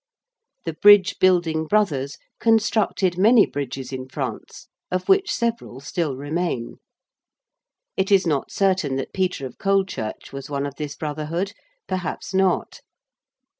The Bridge Building Brothers constructed many bridges in France of which several still remain. It is not certain that Peter of Colechurch was one of this Brotherhood, perhaps not.